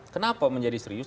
kenapa menjadi serius